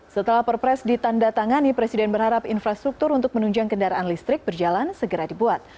setelah perpres ditanda tangani presiden berharap infrastruktur untuk menunjang kendaraan listrik berjalan segera dibuat